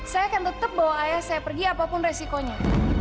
saya akan tetap bawa ayah saya pergi apapun resikonya